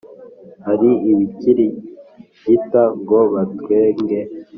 Hari abikirigita ngo batwenge,